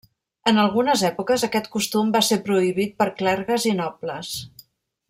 En algunes èpoques, aquest costum va ser prohibit per clergues i nobles.